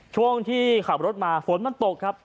ช่วงที่ขับรถมาฝนมันตกครับ